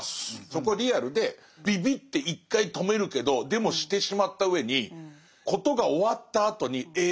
そこリアルでビビって一回止めるけどでもしてしまったうえに事が終わったあとにえらい